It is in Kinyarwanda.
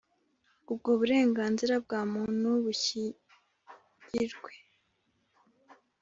ubwo burenganzira bwa muntu bushyigirwe